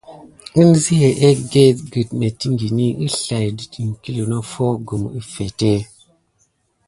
Enziya egge ged nettiŋgini əslay dət iŋkle noffo gum əffete.